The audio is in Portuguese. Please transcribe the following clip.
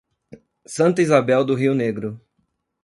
Santa Isabel do Rio Negro